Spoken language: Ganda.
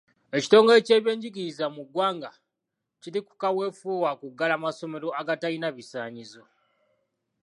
Ekitongole ky’ebyenjigiriza mu ggwanga kiri ku kaweefube wa kuggala masomero agatalina bisaanyizo.